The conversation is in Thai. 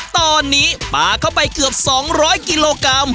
ตอนนี้ปลาเข้าไปเกือบ๒๐๐กิโลกรัม